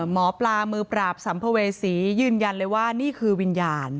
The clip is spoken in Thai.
หมอปลามือปราบสัมภเวษียืนยันเลยว่านี่คือวิญญาณ